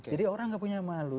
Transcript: jadi orang enggak punya malu